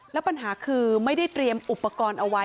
แล้วปัญหาคือไม่ได้เตรียมอุปกรณ์เอาไว้